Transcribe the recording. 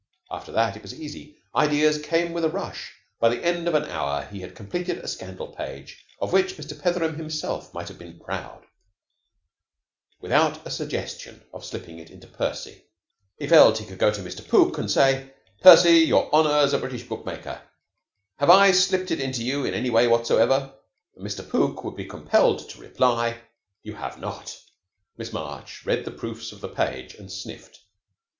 After that it was easy. Ideas came with a rush. By the end of an hour he had completed a Scandal Page of which Mr. Petheram himself might have been proud, without a suggestion of slipping it into Percy. He felt that he could go to Mr. Pook, and say, "Percy, on your honor as a British book maker, have I slipped it into you in any way whatsoever?" And Mr. Pook would be compelled to reply, "You have not." Miss March read the proofs of the page, and sniffed.